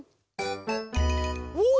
うん。